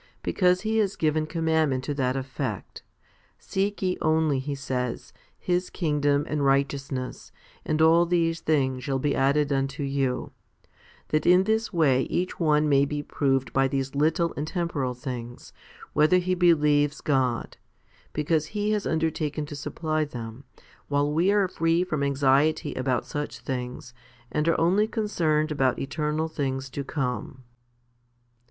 Because He has given commandment to that effect. Seek ye only, He says, His kingdom and righteousness; and all these things shall be added unto you* that in this way each one may be proved by these little and temporal things, whether he believes God ; because He has undertaken to supply them, while we are free from anxiety about such things and are only con cerned about eternal things to come.